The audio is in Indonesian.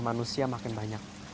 harga manusia makin banyak